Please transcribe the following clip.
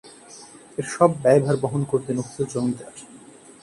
এর সব ব্যয়ভার বহন করতেন উক্ত জমিদার।